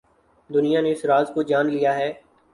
دنیا نے اس راز کو جان لیا ہے۔